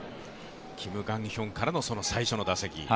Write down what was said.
キム・ガンヒョンからの最初の打席。